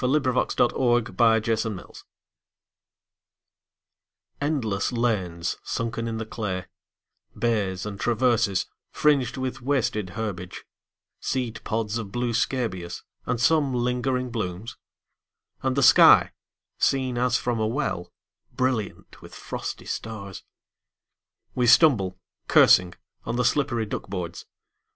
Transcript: Frederic Manning THE TRENCHES ENDLESS lanes sunken in the clay, Bays, and traverses, fringed with wasted herbage, Seed pods of blue scabious, and some lingering blooms ; And the sky, seen as from a well, Brilliant with frosty stars. We stumble, cursing, on the slippery duck boards.